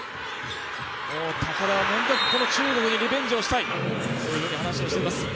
高田は、なんとか中国にリベンジをしたいと話をしています。